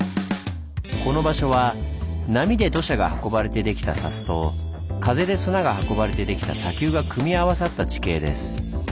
この場所は波で土砂が運ばれてできた「砂州」と風で砂が運ばれてできた「砂丘」が組み合わさった地形です。